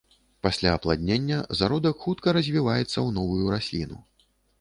Пасля апладнення зародак хутка развіваецца ў новую расліну.